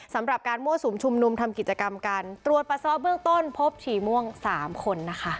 สำหรับการมั่วสุมชุมนุมทำกิจกรรมการตรวจปัสสาวะเบื้องต้นพบฉี่ม่วงสามคนนะคะ